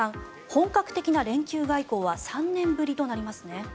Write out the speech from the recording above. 本格的な連休外交は３年ぶりとなりますね。